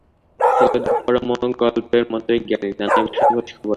ফেলুদা পরমও গল্পের মতোই জ্ঞানী, নানা বিষয়ে খোঁজখবর রাখে।